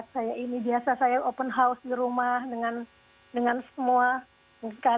saya ini biasa saya open house di rumah dengan semua